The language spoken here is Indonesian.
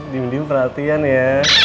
diam diam perhatian ya